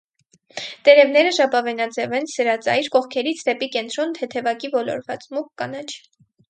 Տերևները ժապավենաձև են, սրածայր, կողքերից դեպի կենտրոն թեթևակի ոլորված, մուգ կանաչ։